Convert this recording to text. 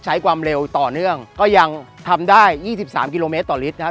ใช้ความเร็วต่อเนื่องก็ยังทำได้๒๓กิโลเมตรต่อลิตรนะครับ